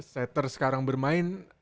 setter sekarang bermain